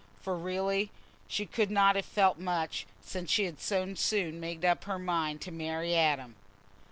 For really she could not have felt much, since she had so soon made up her mind to marry Adam.